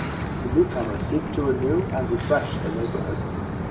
The newcomers seek to renew and refresh the neighborhood.